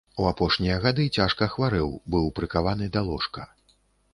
У апошнія гады цяжка хварэў, быў прыкаваны да ложка.